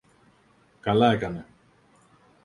Καλά έκανε!